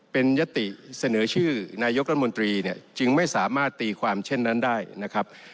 เป็นยติเสนอชื่อนายกรัฐมนตรีเนี่ยจึงไม่สามารถตีความเช่นนั้นได้นะครับ